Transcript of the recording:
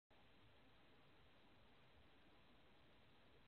明日の給食はハンバーグだ。